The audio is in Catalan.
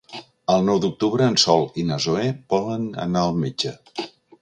El nou d'octubre en Sol i na Zoè volen anar al metge.